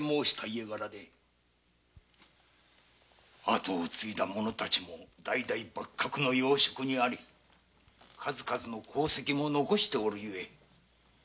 跡を継いだ者たちも代々幕閣の要職にあり数々の功績も残しておるゆえ注意するだけにとどめ